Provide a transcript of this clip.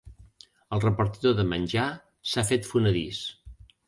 El repartidor de menjar s'ha fet fonedís.